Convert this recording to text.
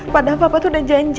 padahal bapak tuh udah janji